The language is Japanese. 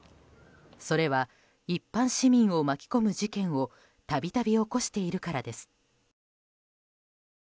それは一般市民を巻き込む事件を度々起こしているからです。